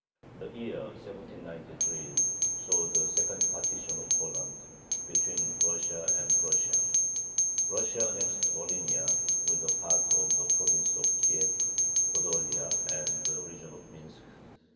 The year 1793 saw the second partition of Poland, between Russia and Prussia. Russia annexed Volhynia, with a part of the province of Kiev, Podolia, and the region of Minsk.